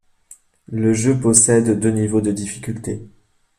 Le jeu possède deux niveaux de difficulté.